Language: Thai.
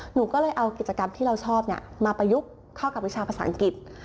หนูก็เลยเอากิจกรรมที่เราชอบมาประยุกต์เข้ากับวิชาภาษาอังกฤษ